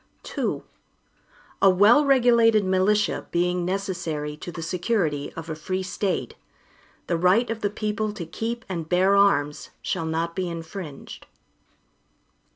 II A well regulated militia, being necessary to the security of a free State, the right of the people to keep and bear arms, shall not be infringed.